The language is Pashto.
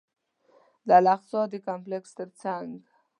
د الاقصی د کمپلکس تر څنګ.